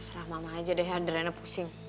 serah mama aja deh adriana pusing